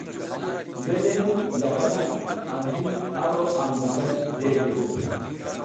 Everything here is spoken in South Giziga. Mbela ya tana, anji a ro aƞ daƞgay zleʼzle.